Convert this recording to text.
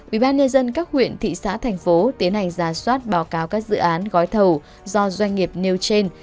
ubnd các huyện thị xã thành phố tiến hành ra soát báo cáo các dự án gói thầu do doanh nghiệp nêu trên